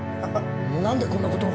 何でこんな事を？